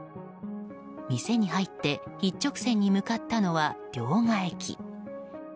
店に入って一直線に向かったのは両替機。